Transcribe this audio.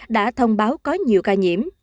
đã thông báo có nhiều ca nhiễm